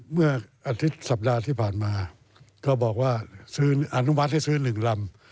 เมื่ออาทิตย์สัปดาห์ที่ผ่านมาก็บอกว่าซื้ออนุมัติให้ซื้อ๑ลำ